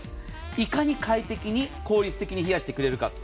いかに快適に効率的に冷やしてくれるか。